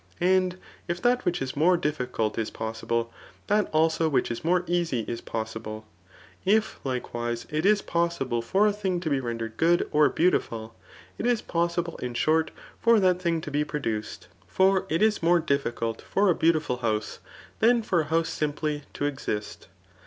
And if that which is more dffi* «ttlt is posable^ that also which is more easy is poss&Ie. Uf likewise, it is pos8B>le for a thing to be rendered good or beautiful, it is possibly in short, for that thitig to ht produced ; for it is more difficult for a beautiful hons^ llian for a house simply, to exist.